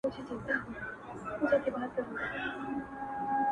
ستا د تن سايه مي په وجود كي ده ـ